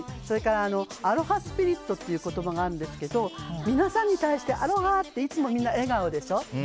それからアロハスピリットという言葉があるんですけど皆さんに対して、アロハっていつもみんな笑顔でしょう。